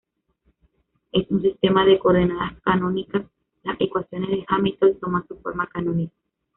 En un sistema de coordenadas canónicas las ecuaciones de Hamilton toman su forma canónica.